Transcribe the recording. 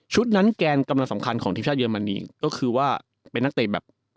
นั้นแกนกำลังสำคัญของทีมชาติเรมนีก็คือว่าเป็นนักเตะแบบ